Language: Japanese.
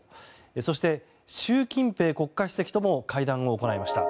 そして、習近平国家主席とも会談を行いました。